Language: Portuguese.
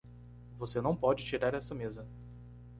Você não pode tirar essa mesa.